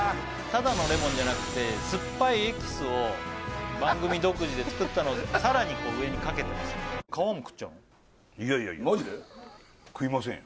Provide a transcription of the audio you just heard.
ただのレモンじゃなくてすっぱいエキスを番組独自で作ったのをさらにこう上にかけてますからいやいやいやマジで？